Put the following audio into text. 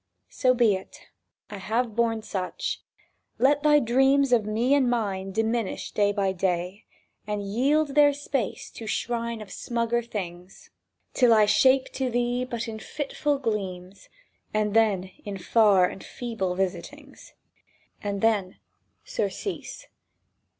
So be it. I have borne such. Let thy dreams Of me and mine diminish day by day, And yield their space to shine of smugger things; Till I shape to thee but in fitful gleams, And then in far and feeble visitings, And then surcease.